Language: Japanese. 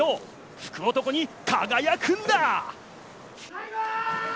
福男に輝くんだ！